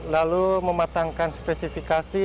lalu mematangkan spesifikasi